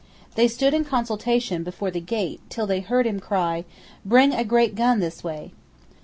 They stood in consultation before the gate till they heard him cry, "Bring a great gun this way."